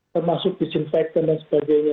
termasuk disinfectant dan sebagainya